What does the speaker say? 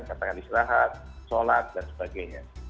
misalkan diserahat sholat dan sebagainya